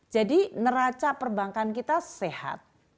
jadi neraca perbankan kita sehat